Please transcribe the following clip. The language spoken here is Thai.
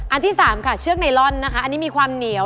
ที่สามค่ะเชือกไนลอนนะคะอันนี้มีความเหนียว